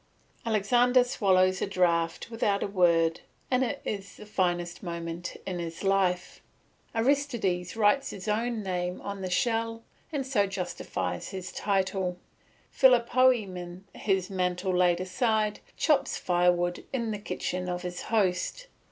Alexander swallows a draught without a word it is the finest moment in his life; Aristides writes his own name on the shell and so justifies his title; Philopoemen, his mantle laid aside, chops firewood in the kitchen of his host.